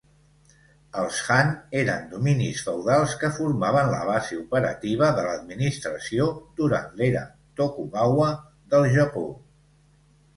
Els Han eren dominis feudals que formaven la base operativa de l'administració durant l'era Tokugawa del Japó.